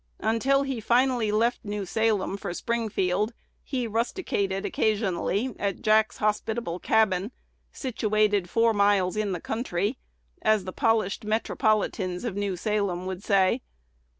Until he finally left New Salem for Springfield, he "rusticated" occasionally at Jack's hospitable cabin, situated "four miles in the country," as the polished metropolitans of New Salem would say.